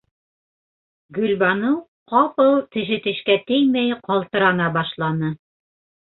Гөлбаныу ҡапыл теше-тешкә теймәй ҡалтырана башланы.